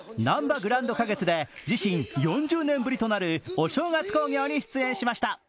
なんばグランド花月で自身４０年ぶりとなるお正月興行に出演しました。